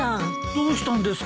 どうしたんですか？